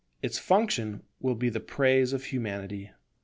Its function will be the praise of Humanity.